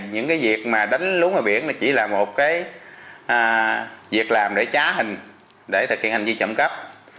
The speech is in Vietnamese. những việc đánh lú ngoài biển chỉ là một việc làm để trá hình để thực hiện hành vi chẩm cấp